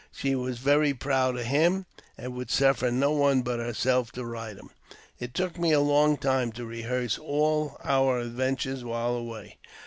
She was very proud of him, and and would suffer no one but herself to ride him. It took me a long time to rehearse all our adventures while away.